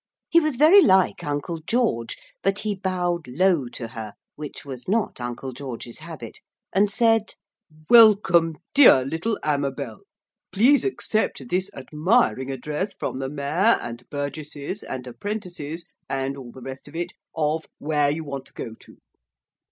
He was very like Uncle George, but he bowed low to her, which was not Uncle George's habit, and said: 'Welcome, dear little Amabel. Please accept this admiring address from the Mayor and burgesses and apprentices and all the rest of it, of Whereyouwantogoto.'